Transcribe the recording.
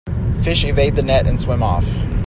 Fish evade the net and swim off.